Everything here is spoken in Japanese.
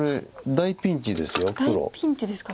大ピンチですか。